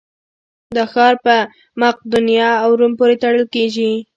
دا ښار په مقدونیه او روم پورې تړل کېږي.